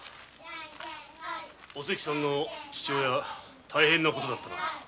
おせきさんの父親大変なことだったな。